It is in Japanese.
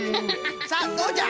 さあどうじゃ。